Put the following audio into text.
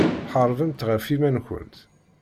Ḥarbemt ɣef yiman-nkent.